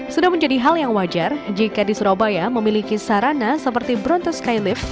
sudah menjadi hal yang wajar jika di surabaya memiliki sarana seperti bronto skylift